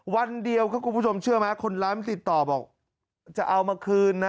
วันเดียวคุณผู้ชมเชื่อมั้ยคนไลม์ติดต่อบอกจะเอามาคืนนะ